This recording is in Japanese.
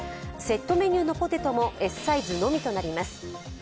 セットメニューのポテトもＳサイズのみとなります。